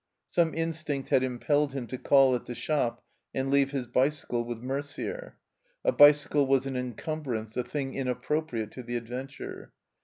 (Some instinct had im pelled him to call at the shop, and leave his bicycle with Merder. A bicycle was an encumbrance, a thing inappropriate to the adventure.)